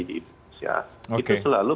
di indonesia itu selalu